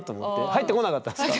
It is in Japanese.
入ってこなかったっすか？